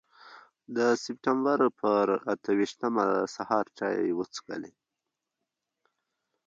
د سپټمبر پر اته ویشتمه سهار چای وڅښلې.